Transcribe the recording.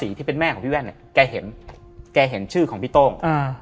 ในประศรีที่เป็นแม่ของพี่แว่นเนี่ยแกเห็นชื่อของพี่โต้ง